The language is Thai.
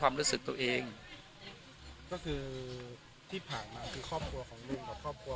วันนี้ก็จะเป็นสวัสดีครับ